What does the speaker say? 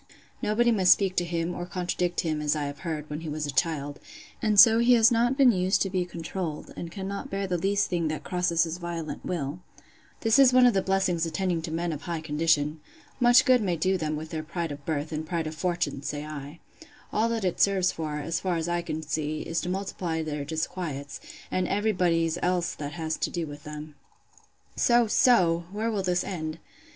Nobody must speak to him or contradict him, as I have heard, when he was a child; and so he has not been used to be controlled, and cannot bear the least thing that crosses his violent will. This is one of the blessings attending men of high condition! Much good may do them with their pride of birth, and pride of fortune! say I:—All that it serves for, as far as I can see, is, to multiply their disquiets, and every body's else that has to do with them. So, so! where will this end?